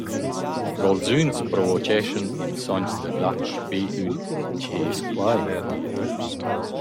Pro’ls üns provocheschan ils sonchs da glatsch be ün «che es quai?»